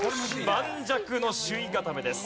盤石の首位固めです。